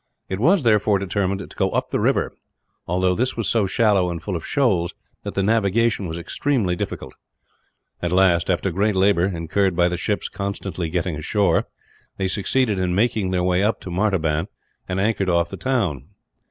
It was, therefore, determined to go up the river, although this was so shallow and full of shoals that the navigation was extremely difficult. At last, after great labour incurred by the ships constantly getting ashore they succeeded in making their way up to Martaban, and anchored off the town.